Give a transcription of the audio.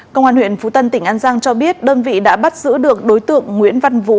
công an huyện phú tân tỉnh an giang cho biết đơn vị đã bắt giữ được đối tượng nguyễn văn vũ